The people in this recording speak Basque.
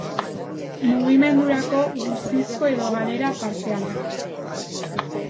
Mugimendurako guztizko edo galera partziala.